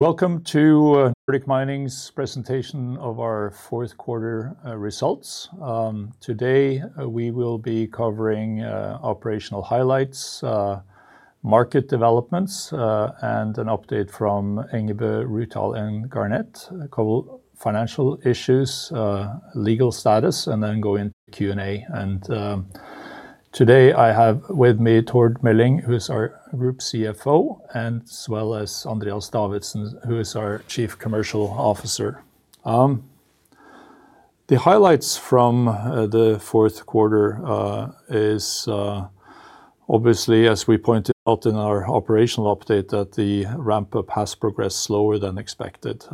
Welcome to Nordic Mining's presentation of our fourth quarter results. Today, we will be covering operational highlights, market developments, and an update from Engebø Rutile and Garnet, couple financial issues, legal status, and then go into Q&A. Today I have with me Tord Meling, who's our group CFO, as well as Andreas Davidsen, who is our Chief Commercial Officer. The highlights from the fourth quarter is, obviously, as we pointed out in our operational update, that the ramp-up has progressed slower than expected.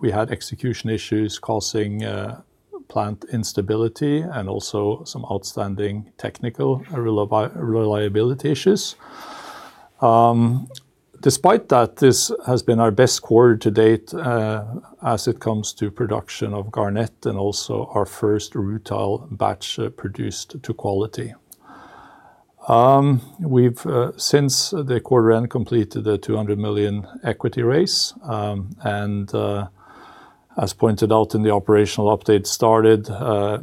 We had execution issues causing plant instability and also some outstanding technical reliability issues. Despite that, this has been our best quarter to date, as it comes to production of garnet and also our first rutile batch, produced to quality. We've, since the quarter end, completed the 200 million equity raise, and, as pointed out in the operational update, started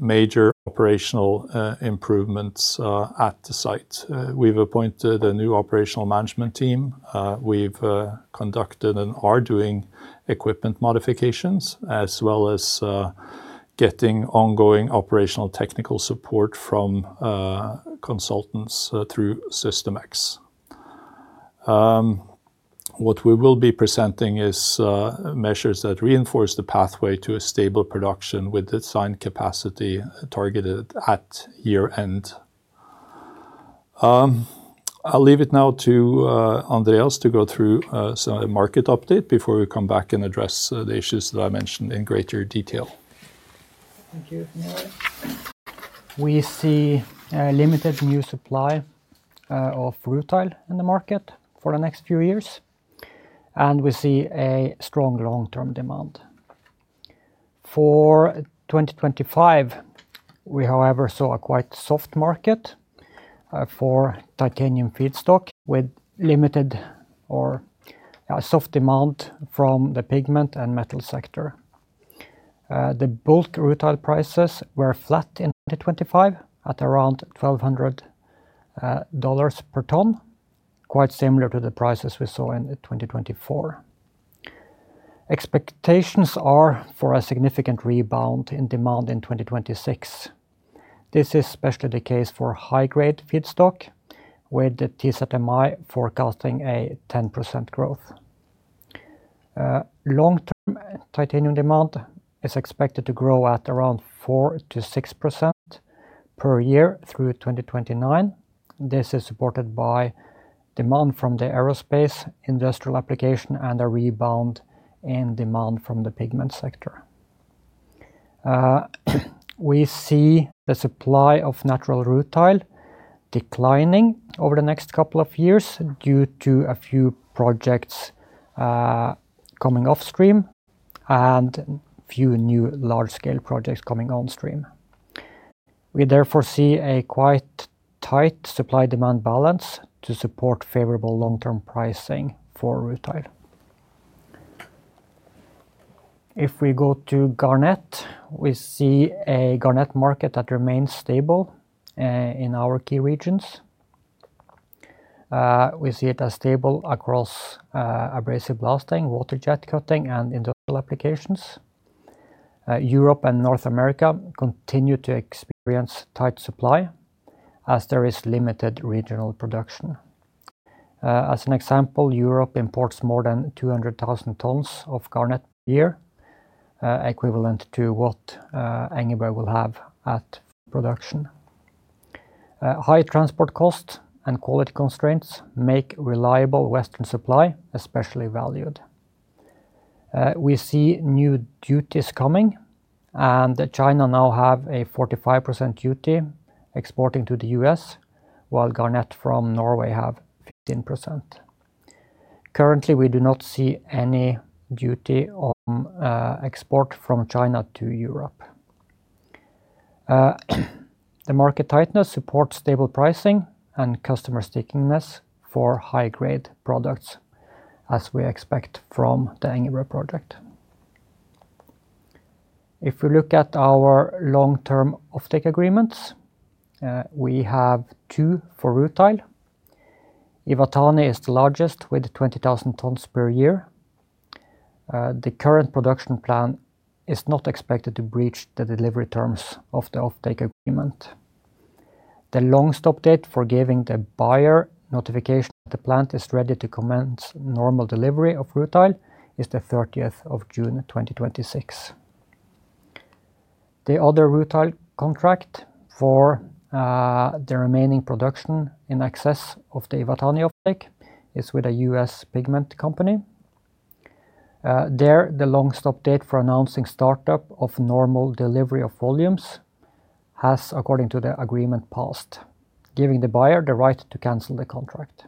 major operational improvements at the site. We've appointed a new operational management team. We've conducted and are doing equipment modifications as well as getting ongoing operational technical support from consultants through Systemex. What we will be presenting is measures that reinforce the pathway to a stable production with design capacity targeted at year-end. I'll leave it now to Andreas to go through a market update before we come back and address the issues that I mentioned in greater detail. Thank you, Finn Ivar. We see limited new supply of rutile in the market for the next few years, and we see a strong long-term demand. For 2025, we, however, saw a quite soft market for titanium feedstock with limited, yeah, soft demand from the pigment and metal sector. The bulk rutile prices were flat in 2025 at around $1,200 per ton, quite similar to the prices we saw in 2024. Expectations are for a significant rebound in demand in 2026. This is especially the case for high-grade feedstock with the TZMI forecasting a 10% growth. Long-term titanium demand is expected to grow at around 4%-6% per year through 2029. This is supported by demand from the aerospace, industrial application, and a rebound in demand from the pigment sector. We see the supply of natural rutile declining over the next couple of years due to a few projects coming offstream and a few new large-scale projects coming onstream. We therefore see a quite tight supply-demand balance to support favorable long-term pricing for rutile. If we go to garnet, we see a garnet market that remains stable in our key regions. We see it as stable across abrasive blasting, water jet cutting, and industrial applications. Europe and North America continue to experience tight supply as there is limited regional production. As an example, Europe imports more than 200,000 tons of garnet per year, equivalent to what Engebø will have at production. High transport costs and quality constraints make reliable Western supply especially valued. We see new duties coming, and China now have a 45% duty exporting to the U.S., while garnet from Norway have 15%. Currently, we do not see any duty on export from China to Europe. The market tightness supports stable pricing and customer stickiness for high-grade products as we expect from the Engebø project. If we look at our long-term offtake agreements, we have two for rutile. Iwatani is the largest with 20,000 tons per year. The current production plan is not expected to breach the delivery terms of the offtake agreement. The longest update for giving the buyer notification that the plant is ready to commence normal delivery of rutile is the 30th of June, 2026. The other rutile contract for the remaining production in excess of the Iwatani offtake is with a U.S. pigment company. There, the longest update for announcing startup of normal delivery of volumes has, according to the agreement, passed, giving the buyer the right to cancel the contract.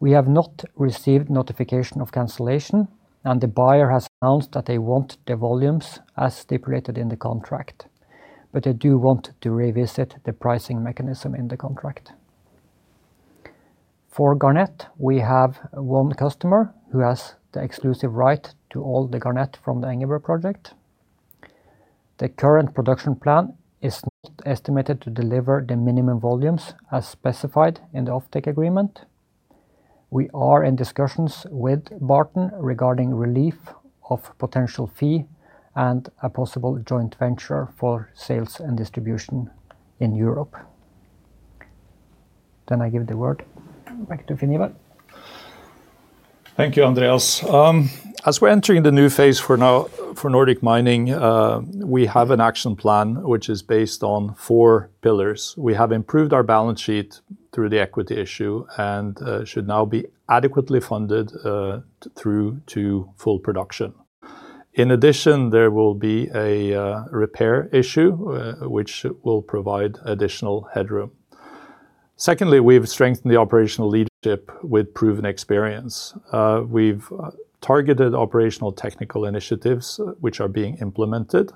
We have not received notification of cancellation, and the buyer has announced that they want the volumes as stipulated in the contract, but they do want to revisit the pricing mechanism in the contract. For garnet, we have one customer who has the exclusive right to all the garnet from the Engebø project. The current production plan is not estimated to deliver the minimum volumes as specified in the offtake agreement. We are in discussions with Barton regarding relief of potential fee and a possible joint venture for sales and distribution in Europe. Then I give the word back to Finn Ivar. Thank you, Andreas. As we're entering the new phase for now for Nordic Mining, we have an action plan which is based on four pillars. We have improved our balance sheet through the equity issue and should now be adequately funded through to full production. In addition, there will be a repair issue, which will provide additional headroom. Secondly, we've strengthened the operational leadership with proven experience. We've targeted operational technical initiatives which are being implemented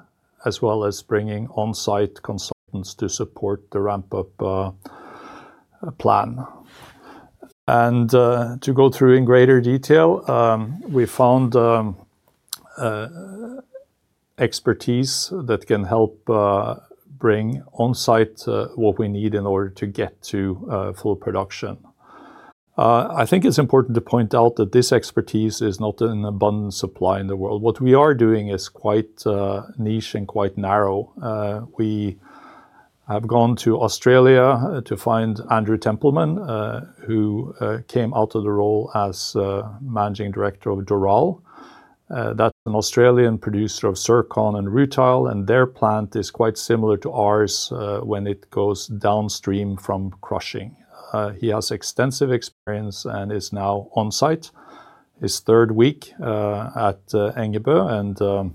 as well as bringing onsite consultants to support the ramp-up plan. And to go through in greater detail, we found expertise that can help bring onsite what we need in order to get to full production. I think it's important to point out that this expertise is not an abundant supply in the world. What we are doing is quite niche and quite narrow. We have gone to Australia to find Andrew Templeman, who came out of the role as Managing Director of Doral. That's an Australian producer of zircon and rutile, and their plant is quite similar to ours when it goes downstream from crushing. He has extensive experience and is now onsite. His third week at Engebø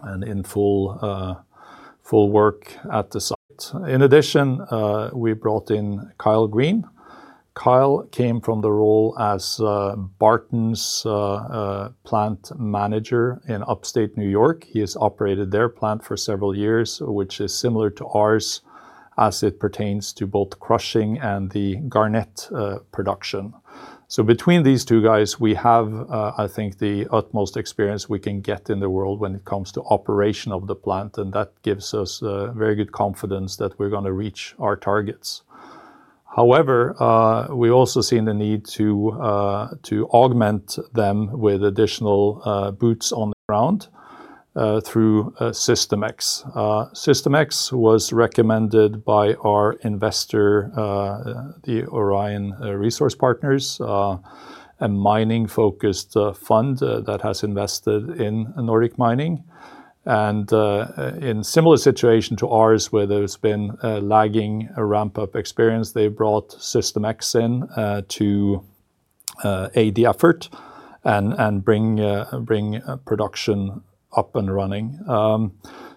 and in full work at the site. In addition, we brought in Kyle Green. Kyle came from the role as Barton's Plant Manager in Upstate New York. He has operated their plant for several years, which is similar to ours as it pertains to both crushing and the garnet production. So between these two guys, we have, I think, the utmost experience we can get in the world when it comes to operation of the plant, and that gives us very good confidence that we're going to reach our targets. However, we've also seen the need to augment them with additional boots on the ground through Systemex. Systemex was recommended by our investor, the Orion Resource Partners, a mining-focused fund that has invested in Nordic Mining. In a similar situation to ours where there's been lagging ramp-up experience, they brought Systemex in to aid the effort and bring production up and running.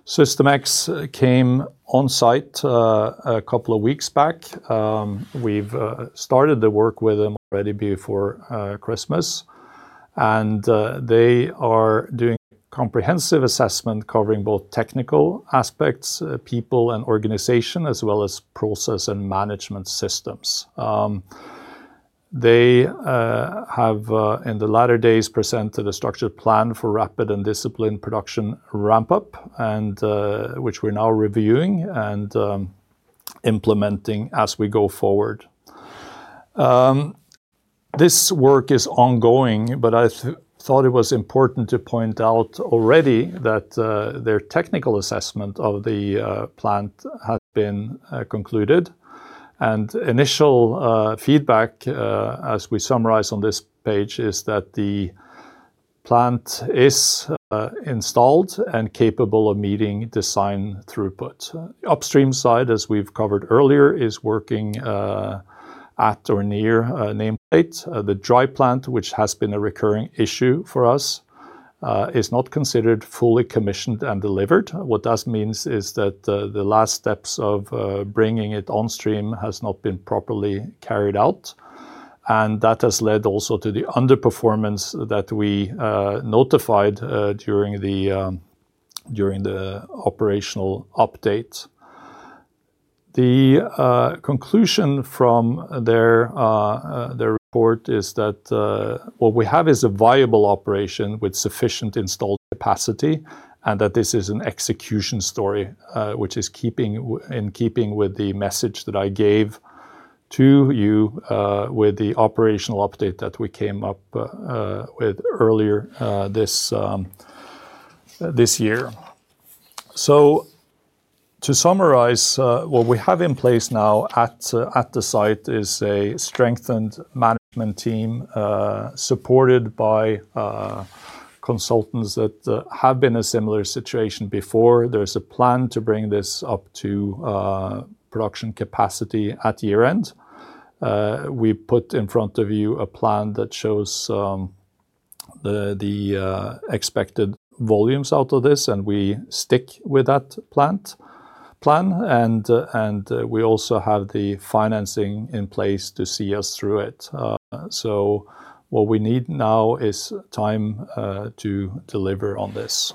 Systemex came onsite a couple of weeks back. We've started the work with them already before Christmas. They are doing a comprehensive assessment covering both technical aspects, people and organization, as well as process and management systems. They have in the latter days presented a structured plan for rapid and disciplined production ramp-up, and which we're now reviewing and implementing as we go forward. This work is ongoing, but I thought it was important to point out already that their technical assessment of the plant has been concluded. Initial feedback, as we summarize on this page, is that the plant is installed and capable of meeting design throughput. The upstream side, as we've covered earlier, is working at or near nameplate. The dry plant, which has been a recurring issue for us, is not considered fully commissioned and delivered. What that means is that the last steps of bringing it onstream have not been properly carried out. That has led also to the underperformance that we notified during the operational update. The conclusion from their report is that what we have is a viable operation with sufficient installed capacity and that this is an execution story, which is in keeping with the message that I gave to you with the operational update that we came up with earlier this year. So to summarize, what we have in place now at the site is a strengthened management team, supported by consultants that have been in a similar situation before. There's a plan to bring this up to production capacity at year-end. We put in front of you a plan that shows the expected volumes out of this, and we stick with that plan. And we also have the financing in place to see us through it. So what we need now is time to deliver on this.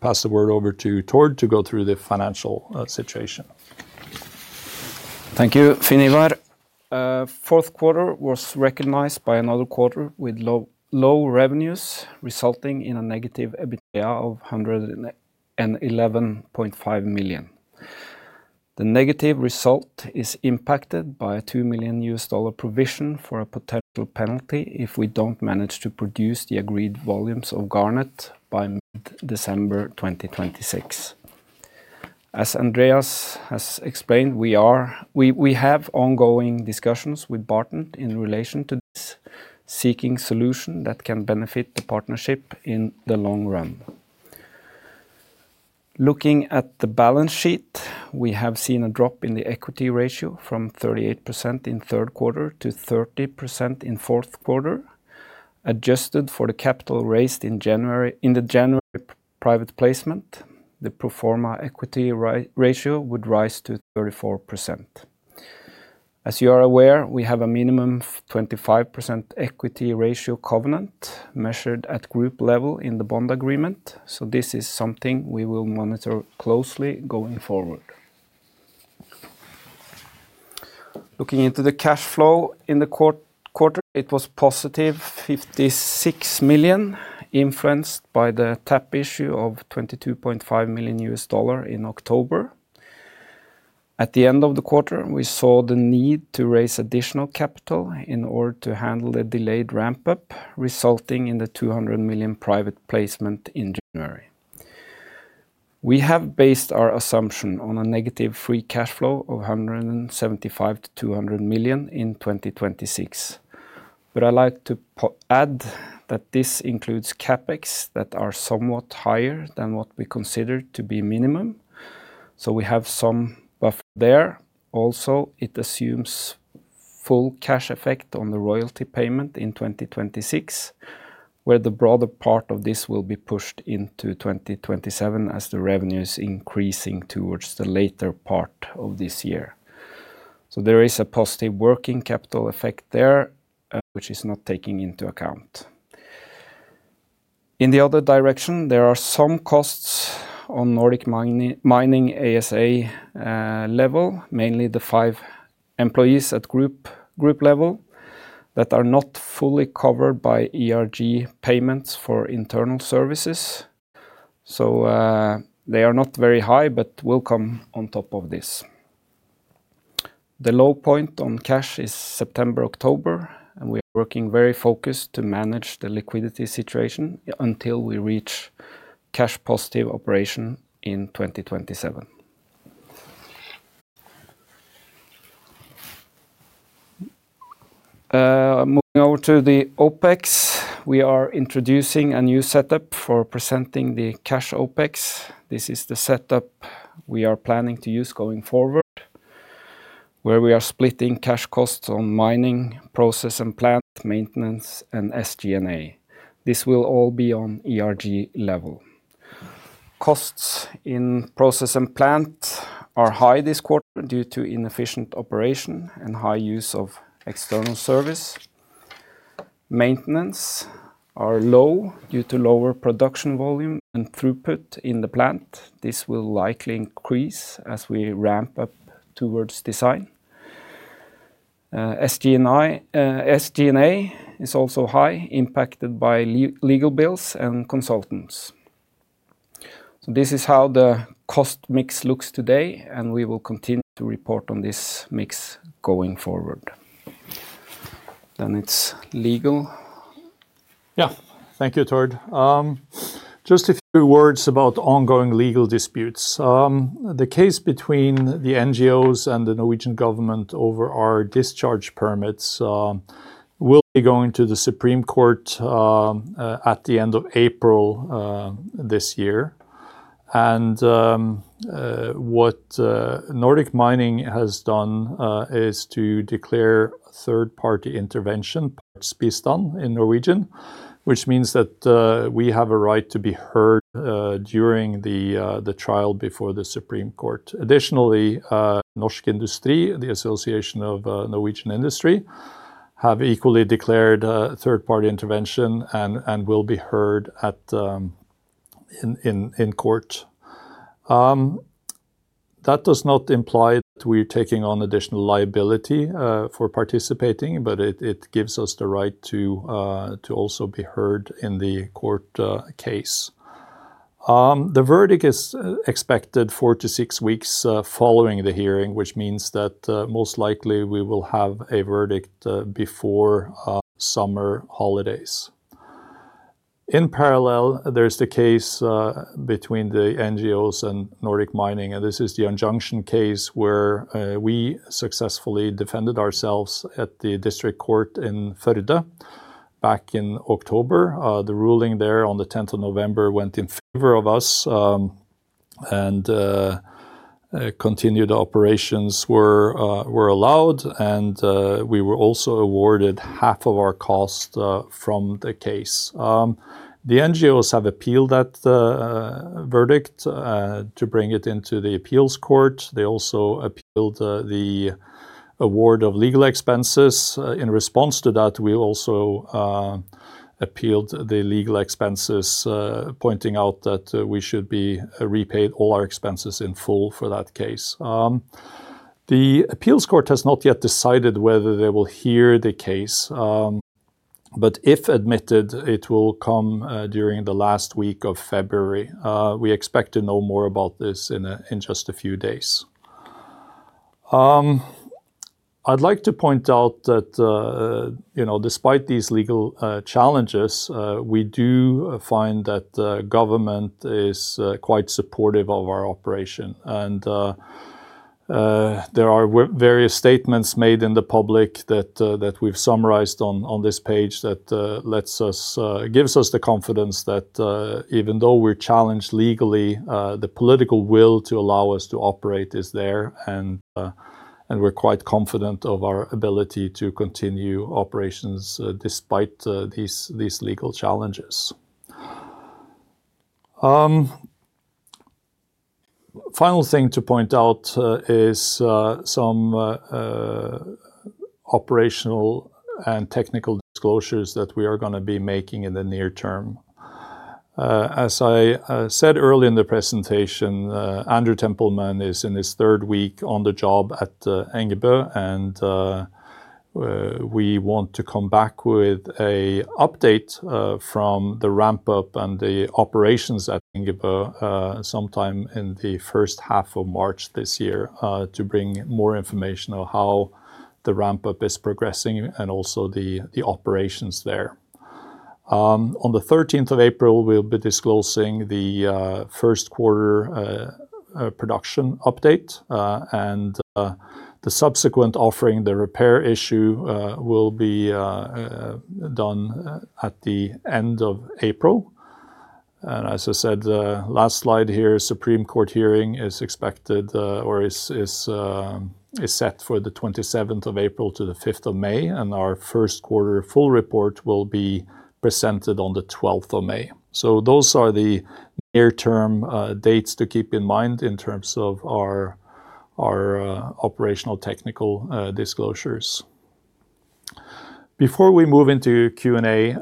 Pass the word over to Tord to go through the financial situation. Thank you, Finn Ivar. The fourth quarter was recognized by another quarter with low, low revenues resulting in a negative EBITDA of -111.5 million. The negative result is impacted by a $2 million provision for a potential penalty if we don't manage to produce the agreed volumes of garnet by mid-December 2026. As Andreas has explained, we have ongoing discussions with Barton in relation to this, seeking solutions that can benefit the partnership in the long run. Looking at the balance sheet, we have seen a drop in the equity ratio from 38% in third quarter to 30% in fourth quarter. Adjusted for the capital raised in January in the January private placement, the pro forma equity ratio would rise to 34%. As you are aware, we have a minimum 25% equity ratio covenant measured at group level in the bond agreement. So this is something we will monitor closely going forward. Looking into the cash flow in the quarter, it was +56 million influenced by the tap issue of $22.5 million in October. At the end of the quarter, we saw the need to raise additional capital in order to handle the delayed ramp-up resulting in the 200 million private placement in January. We have based our assumption on a negative free cash flow of 175 million-200 million in 2026. But I'd like to add that this includes CapEx that are somewhat higher than what we considered to be minimum. So we have some buffer there. Also, it assumes full cash effect on the royalty payment in 2026, where the broader part of this will be pushed into 2027 as the revenue is increasing towards the later part of this year. There is a positive working capital effect there, which is not taken into account. In the other direction, there are some costs on Nordic Mining ASA level, mainly the five employees at group level that are not fully covered by ERG payments for internal services. So, they are not very high but will come on top of this. The low point on cash is September, October, and we are working very focused to manage the liquidity situation until we reach cash-positive operation in 2027. Moving over to the OpEx, we are introducing a new setup for presenting the cash OpEx. This is the setup we are planning to use going forward, where we are splitting cash costs on mining, process and plant, maintenance, and SG&A. This will all be on ERG level. Costs in process and plant are high this quarter due to inefficient operation and high use of external service. Maintenance are low due to lower production volume and throughput in the plant. This will likely increase as we ramp up towards design. SG&I, SG&A is also high, impacted by legal bills and consultants. So this is how the cost mix looks today, and we will continue to report on this mix going forward. Then it's legal. Yeah. Thank you, Tord. Just a few words about ongoing legal disputes. The case between the NGOs and the Norwegian government over our discharge permits will be going to the Supreme Court at the end of April this year. And what Nordic Mining has done is to declare third-party intervention, partenes bistand in Norwegian, which means that we have a right to be heard during the trial before the Supreme Court. Additionally, Norsk Industri, the association of Norwegian industry, have equally declared third-party intervention and will be heard in court. That does not imply that we're taking on additional liability for participating, but it gives us the right to also be heard in the court case. The verdict is expected four to six weeks following the hearing, which means that most likely we will have a verdict before summer holidays. In parallel, there's the case between the NGOs and Nordic Mining, and this is the injunction case where we successfully defended ourselves at the District Court in Førde back in October. The ruling there on the 10th of November went in favor of us, and continued operations were allowed, and we were also awarded half of our costs from the case. The NGOs have appealed that verdict to bring it into the appeals court. They also appealed the award of legal expenses. In response to that, we also appealed the legal expenses, pointing out that we should be repaid all our expenses in full for that case. The appeals court has not yet decided whether they will hear the case. But if admitted, it will come during the last week of February. We expect to know more about this in just a few days. I'd like to point out that, you know, despite these legal challenges, we do find that the government is quite supportive of our operation. And there are various statements made in the public that we've summarized on this page that gives us the confidence that, even though we're challenged legally, the political will to allow us to operate is there, and we're quite confident of our ability to continue operations, despite these legal challenges. The final thing to point out is some operational and technical disclosures that we are going to be making in the near term. As I said earlier in the presentation, Andrew Templeman is in his third week on the job at Engebø, and we want to come back with an update from the ramp-up and the operations at Engebø sometime in the first half of March this year, to bring more information on how the ramp-up is progressing and also the operations there. On the 13th of April, we'll be disclosing the first quarter production update, and the subsequent offering, the repair issue, will be done at the end of April. As I said, last slide here, Supreme Court hearing is expected, or is set for the 27th of April to the 5th of May, and our first quarter full report will be presented on the 12th of May. So those are the near-term dates to keep in mind in terms of our operational technical disclosures. Before we move into Q&A,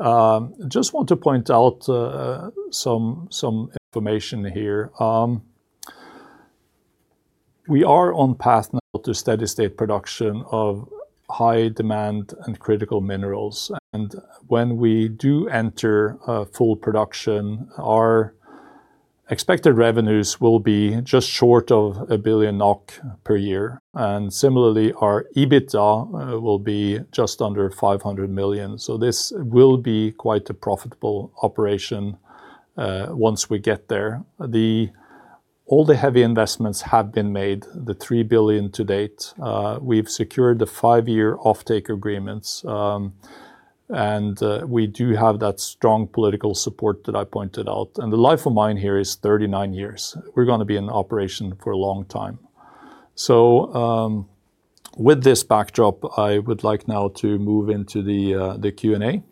just want to point out, some information here. We are on path now to steady-state production of high-demand and critical minerals. And when we do enter full production, our expected revenues will be just short of 1 billion NOK per year. And similarly, our EBITDA will be just under 500 million. So this will be quite a profitable operation, once we get there. All the heavy investments have been made, the 3 billion to date. We've secured the five-year offtake agreements. And we do have that strong political support that I pointed out. And the life of mine here is 39 years. We're going to be in operation for a long time. So, with this backdrop, I would like now to move into the Q&A.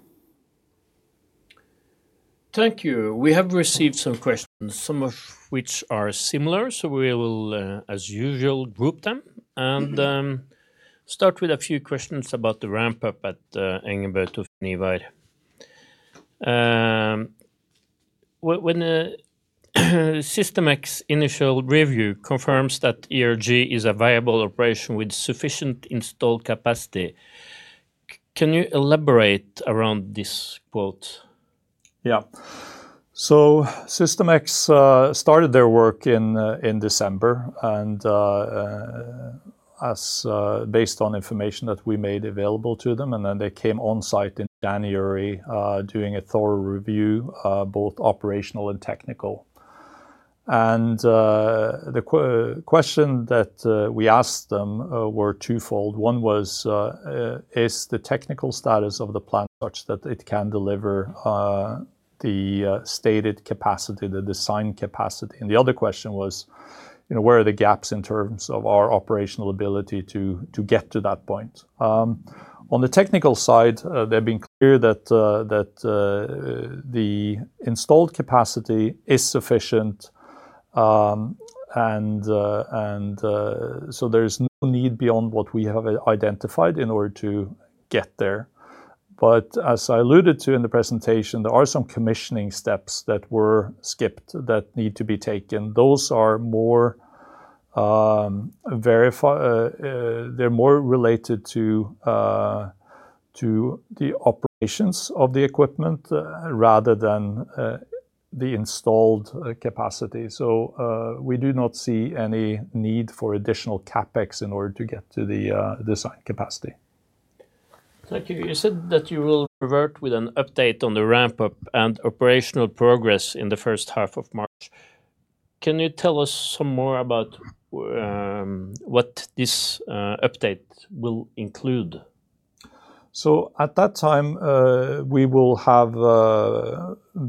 Thank you. We have received some questions, some of which are similar, so we will, as usual, group them and start with a few questions about the ramp-up at Engebø to Finn Ivar. When Systemex's initial review confirms that ERG is a viable operation with sufficient installed capacity, can you elaborate around this quote? Yeah. So Systemex started their work in December and, based on information that we made available to them, and then they came on site in January, doing a thorough review, both operational and technical. The question that we asked them were twofold. One was, is the technical status of the plant such that it can deliver the stated capacity, the design capacity? And the other question was, you know, where are the gaps in terms of our operational ability to get to that point? On the technical side, they've been clear that the installed capacity is sufficient, and so there's no need beyond what we have identified in order to get there. But as I alluded to in the presentation, there are some commissioning steps that were skipped that need to be taken. Those are more verified. They're more related to the operations of the equipment rather than the installed capacity. So, we do not see any need for additional CapEx in order to get to the design capacity. Thank you. You said that you will revert with an update on the ramp-up and operational progress in the first half of March. Can you tell us some more about what this update will include? So at that time, we will have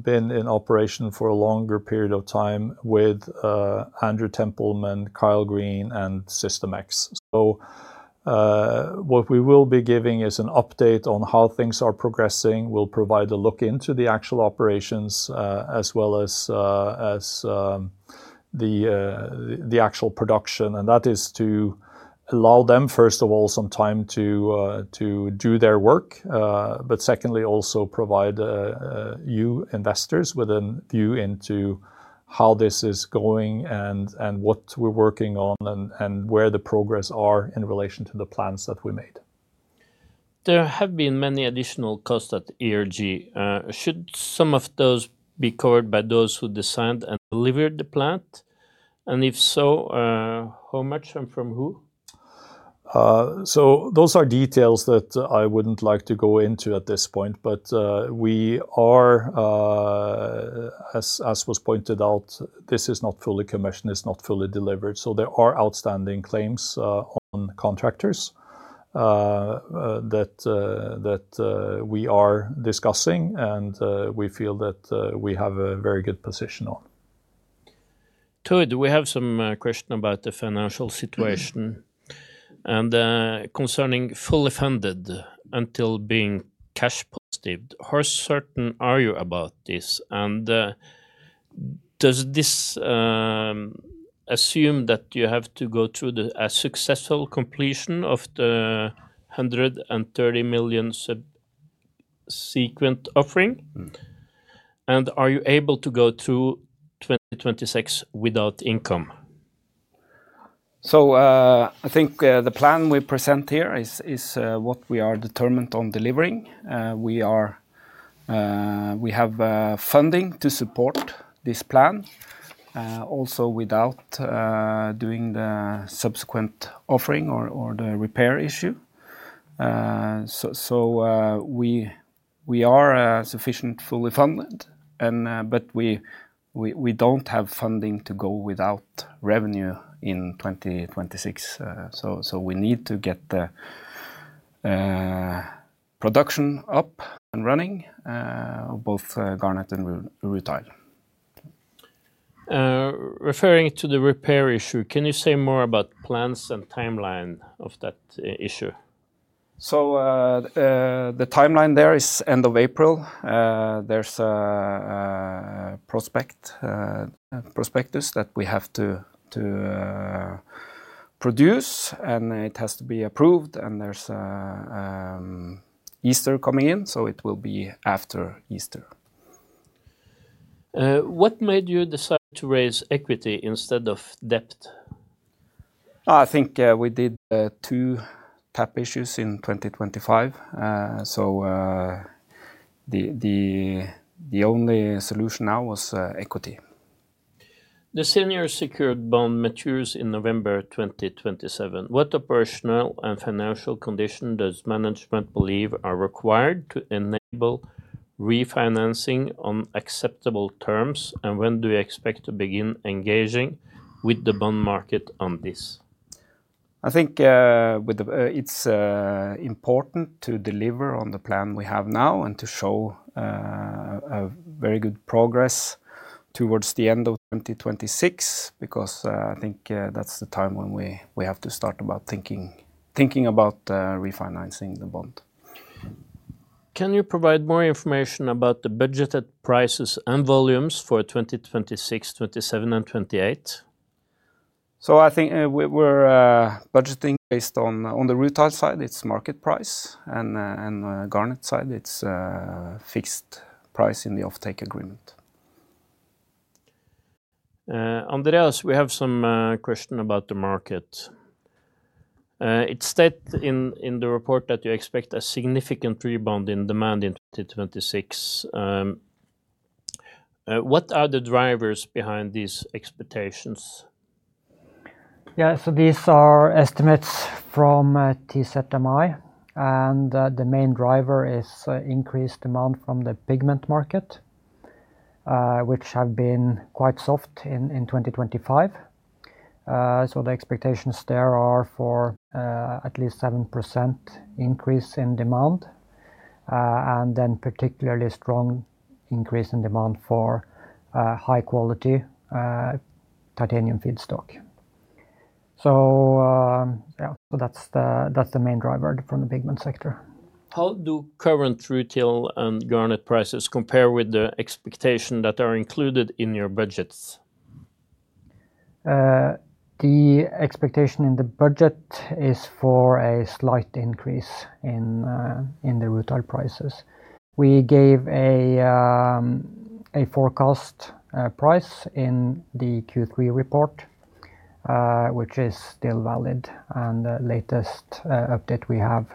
been in operation for a longer period of time with Andrew Templeman, Kyle Green, and Systemex. So, what we will be giving is an update on how things are progressing. We'll provide a look into the actual operations, as well as the actual production, and that is to allow them, first of all, some time to do their work, but secondly also provide you investors with a view into how this is going and what we're working on and where the progress are in relation to the plans that we made. There have been many additional costs at ERG. Should some of those be covered by those who designed and delivered the plant? And if so, how much and from who? Those are details that I wouldn't like to go into at this point, but, as was pointed out, this is not fully commissioned. It's not fully delivered. There are outstanding claims on contractors that we are discussing, and we feel that we have a very good position on. Tord, we have some question about the financial situation. Concerning fully funded until being cash-positive, how certain are you about this? Does this assume that you have to go through a successful completion of the 130 million subsequent offering? Are you able to go through 2026 without income? I think the plan we present here is what we are determined on delivering. We have funding to support this plan, also without doing the subsequent offering or the repair issue. So we don't have funding to go without revenue in 2026. So we need to get the production up and running, both garnet and rutile. Referring to the repair issue, can you say more about plans and timeline of that issue? So, the timeline there is end of April. There's a prospectus that we have to produce, and it has to be approved, and there's Easter coming in, so it will be after Easter. What made you decide to raise equity instead of debt? Oh, I think we did two tap issues in 2025. So, the only solution now was equity. The senior secured bond matures in November 2027. What operational and financial condition does management believe are required to enable refinancing on acceptable terms, and when do you expect to begin engaging with the bond market on this? I think it's important to deliver on the plan we have now and to show a very good progress towards the end of 2026 because I think that's the time when we have to start thinking about refinancing the bond. Can you provide more information about the budgeted prices and volumes for 2026, 2027, and 2028? I think we're budgeting based on the rutile side, it's market price, and garnet side, it's fixed price in the offtake agreement. Andreas, we have a question about the market. It states in the report that you expect a significant rebound in demand in 2026. What are the drivers behind these expectations? Yeah, so these are estimates from TZMI, and the main driver is increased demand from the pigment market, which have been quite soft in 2025. So the expectations there are for at least 7% increase in demand, and then particularly strong increase in demand for high-quality titanium feedstock. So, yeah, so that's the main driver from the pigment sector. How do current rutile and garnet prices compare with the expectation that are included in your budgets? The expectation in the budget is for a slight increase in the rutile prices. We gave a forecast price in the Q3 report, which is still valid, and the latest update we have,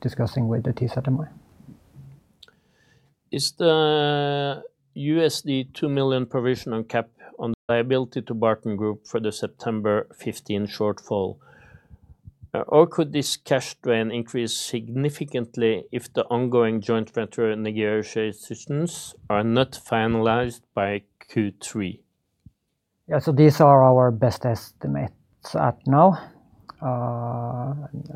discussing with the TZMI. Is the $2 million provisional cap on the liability to Barton Group for the September 15 shortfall, or could this cash drain increase significantly if the ongoing joint venture negotiations are not finalized by Q3? Yeah, so these are our best estimates at now.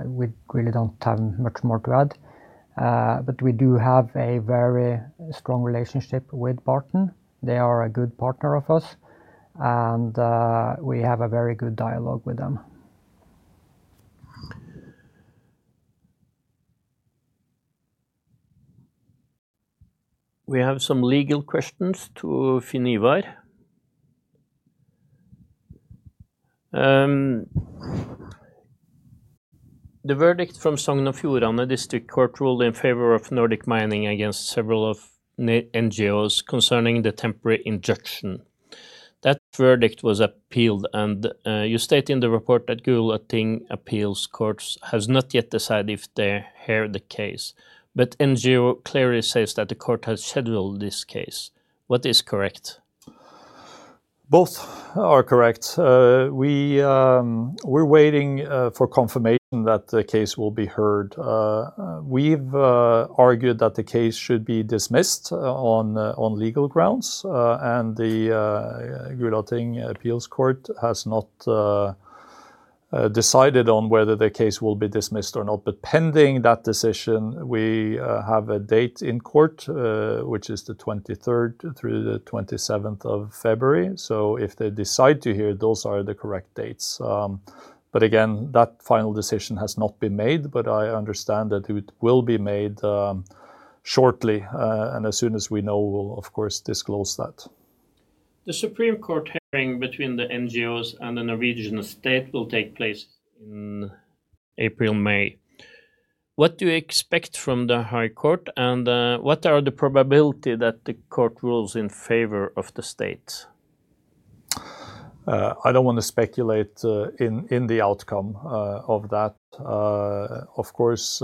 We really don't have much more to add. But we do have a very strong relationship with Barton. They are a good partner of us, and we have a very good dialogue with them. We have some legal questions to Finn Ivar. The verdict from Sogn og Fjordane District Court ruled in favor of Nordic Mining against several of NGOs concerning the temporary injunction. That verdict was appealed, and you state in the report that Gulating Court of Appeal has not yet decided if they hear the case, but NGOs clearly say that the court has scheduled this case. What is correct? Both are correct. We're waiting for confirmation that the case will be heard. We've argued that the case should be dismissed on legal grounds, and the Gulating Appeals Court has not decided on whether the case will be dismissed or not. But pending that decision, we have a date in court, which is the 23rd through the 27th of February. So if they decide to hear, those are the correct dates. But again, that final decision has not been made, but I understand that it will be made shortly, and as soon as we know, we'll of course disclose that. The Supreme Court hearing between the NGOs and the Norwegian state will take place in April, May. What do you expect from the High Court, and what are the probability that the court rules in favor of the state? I don't want to speculate in the outcome of that. Of course,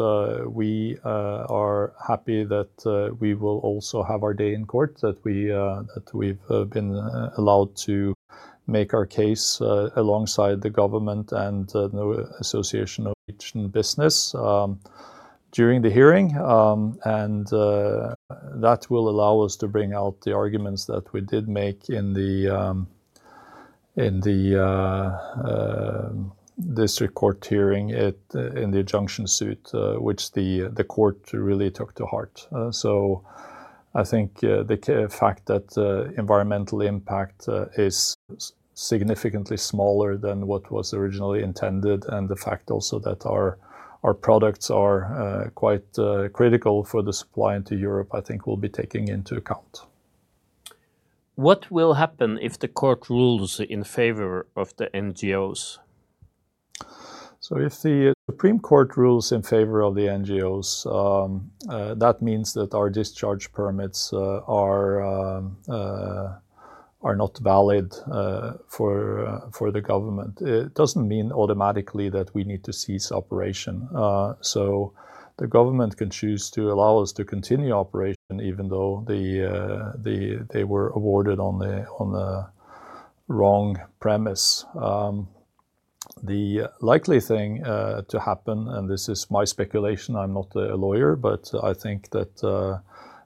we are happy that we will also have our day in court, that we've been allowed to make our case alongside the government and Norsk Industri during the hearing, and that will allow us to bring out the arguments that we did make in the district court hearing in the injunction suit, which the court really took to heart. So I think the fact that environmental impact is significantly smaller than what was originally intended, and the fact also that our products are quite critical for the supply into Europe, I think, will be taken into account. What will happen if the court rules in favor of the NGOs? So if the Supreme Court rules in favor of the NGOs, that means that our discharge permits are not valid for the government. It doesn't mean automatically that we need to cease operation. So the government can choose to allow us to continue operation even though they were awarded on the wrong premise. The likely thing to happen, and this is my speculation, I'm not a lawyer, but I think that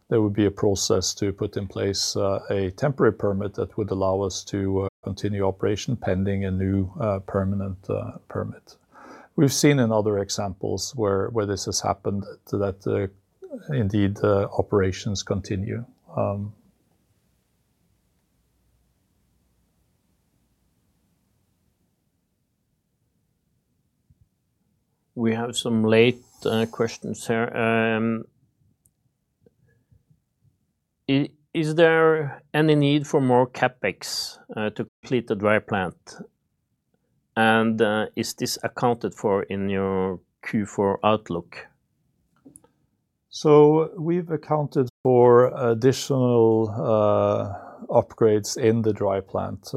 there would be a process to put in place, a temporary permit that would allow us to continue operation pending a new permanent permit. We've seen in other examples where this has happened that indeed operations continue. We have some late questions here. Is there any need for more CapEx to complete the dry plant? And is this accounted for in your Q4 outlook? So we've accounted for additional upgrades in the dry plant.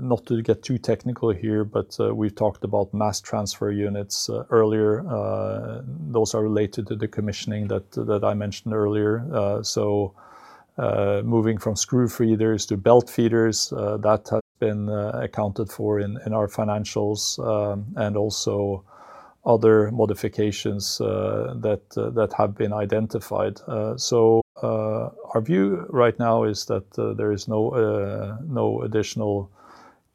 Not to get too technical here, but we've talked about mass transfer units earlier. Those are related to the commissioning that I mentioned earlier. So, moving from screw feeders to belt feeders, that has been accounted for in our financials, and also other modifications that have been identified. So, our view right now is that there is no additional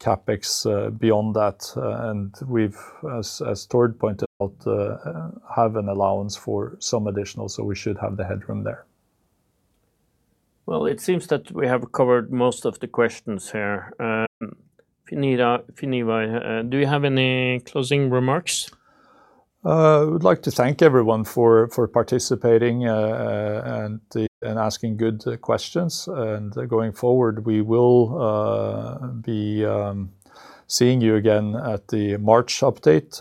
CapEx beyond that, and we've, as Tord pointed out, have an allowance for some additional, so we should have the headroom there. Well, it seems that we have covered most of the questions here. Finn Ivar, do you have any closing remarks? I would like to thank everyone for participating and asking good questions. And going forward, we will be seeing you again at the March update,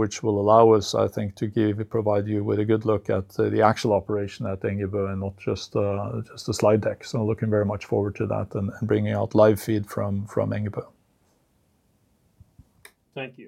which will allow us, I think, to provide you with a good look at the actual operation at Engebø and not just a slide deck. So I'm looking very much forward to that and bringing out live feed from Engebø. Thank you.